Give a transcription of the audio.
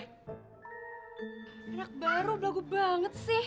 enak baru belau gue banget sih